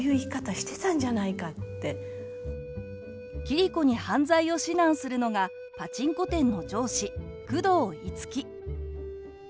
桐子に犯罪を指南するのがパチンコ店の上司久遠樹。